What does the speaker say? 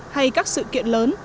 hay các sự kiện lớn